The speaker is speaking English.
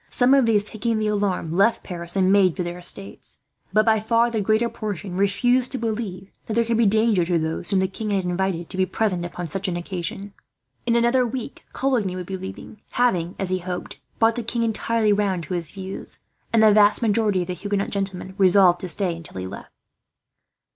Some of these, taking the alarm, left Paris and made for their estates; but by far the greater portion refused to believe that there could be danger to those whom the king had invited to be present upon such an occasion. In another week, Coligny would be leaving, having, as he hoped, brought the king entirely round to his views; and the vast majority of the Huguenot gentlemen resolved to stay until he left.